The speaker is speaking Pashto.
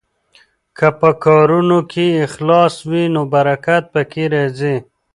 که په کارونو کې اخلاص وي نو برکت پکې راځي.